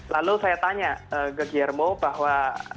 lalu saya tanya ke germo bahwa